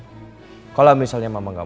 panggil algo harus ku indoos mafik usantara